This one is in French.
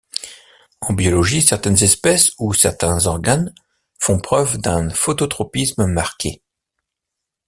En biologie, certaines espèces ou certains organes font preuve d'un phototropisme marqué.